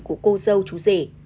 của cô dâu chú rể